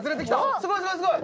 すごいすごいすごい！